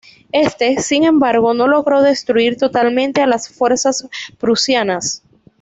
Este, sin embargo, no logró destruir totalmente a las fuerzas prusianas.